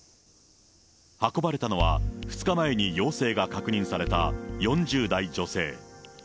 運ばれたのは、２日前に陽性が確認された４０代女性。